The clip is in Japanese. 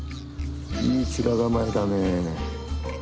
いい面構えだね。